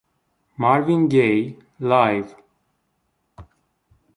Marvin Gaye Live!